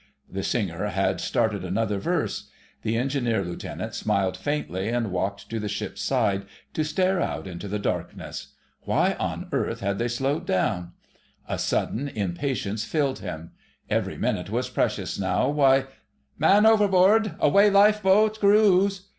The singer had started another verse; the Engineer Lieutenant smiled faintly, and walked to the ship's side to stare out into the darkness. Why on earth had they slowed down? A sudden impatience filled him. Every minute was precious now. Why—— "MAN OVERBOARD. AWAY LIFEBOAT'S CREW!"